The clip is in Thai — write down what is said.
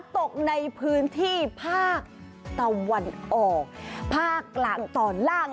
ตกในพื้นที่ภาคตะวันออกภาคกลางตอนล่าง